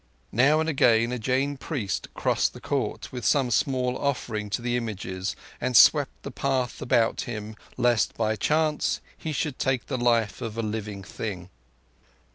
Now and again, a Jain priest crossed the court, with some small offering to the images, and swept the path about him lest by chance he should take the life of a living thing.